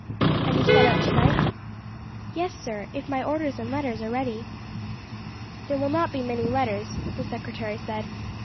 "And you set out tonight?" "Yes, sir, if my orders and letters are ready." "There will not be many letters," the secretary said.